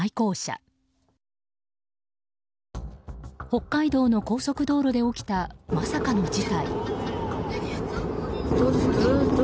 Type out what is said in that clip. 北海道の高速道路で起きたまさかの事態。